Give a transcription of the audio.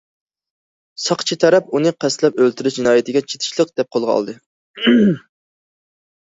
ساقچى تەرەپ ئۇنى قەستلەپ ئۆلتۈرۈش جىنايىتىگە چېتىشلىق دەپ قولغا ئالدى.